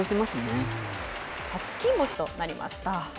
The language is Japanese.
初金星となりました。